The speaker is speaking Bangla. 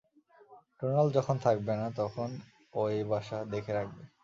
ডোনাল্ড যখন থাকবে না, তখন ও এই বাসা দেখে রাখবে।